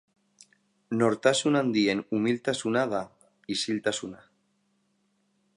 Nortasun handien umiltasuna da, isiltasuna.